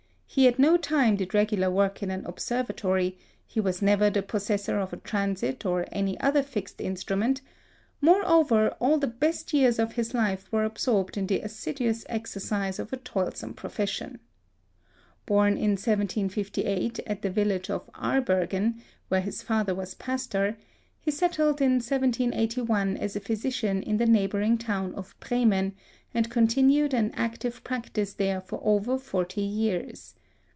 He at no time did regular work in an observatory; he was never the possessor of a transit or any other fixed instrument; moreover, all the best years of his life were absorbed in the assiduous exercise of a toilsome profession. Born in 1758 at the village of Arbergen, where his father was pastor, he settled in 1781 as a physician in the neighbouring town of Bremen, and continued in active practice there for over forty years.